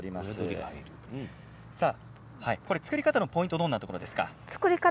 作り方のポイントはどんなところですか？